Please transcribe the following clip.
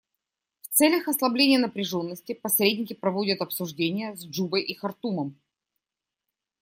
В целях ослабления напряженности посредники проводят обсуждения с Джубой и Хартумом.